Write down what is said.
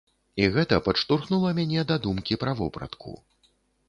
І гэта падштурхнула мяне да думкі пра вопратку.